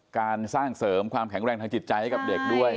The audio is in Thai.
การสร้างเสริมความแข็งแรงทางจิตใจให้กับเด็กด้วย